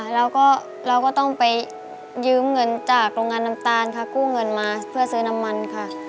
แล้วก็ต้องไปยืมเงินจากโรงงานน้ำตาลค่ะกู้เงินมาให้ซื้อนมันค่ะ